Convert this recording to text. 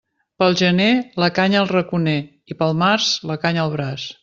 Pel gener la canya al raconer i pel març la canya al braç.